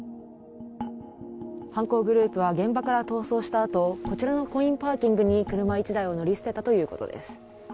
犯行グループは現場から逃走したあと、こちらのコインパーキングに車１台を乗り捨てたということです。